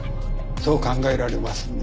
そう考えられますね。